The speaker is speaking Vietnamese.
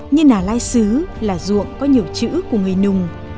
như nà lai xứ là ruộng có nhiều chữ của người nùng